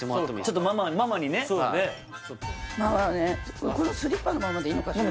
ねこのスリッパのままでいいのかしら？